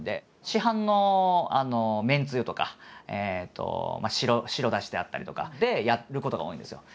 市販のめんつゆとか白だしであったりとかでやることが多いんですよ。